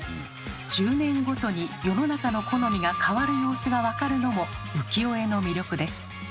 １０年ごとに世の中の好みが変わる様子が分かるのも浮世絵の魅力です。